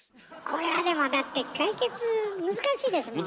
これはでもだって難しいですね。